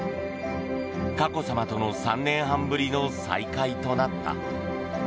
佳子さまとの３年半ぶりの再会となった。